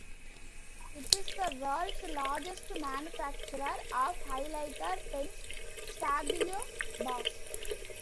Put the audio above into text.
It is the world's largest manufacturer of highlighter pens, Stabilo Boss.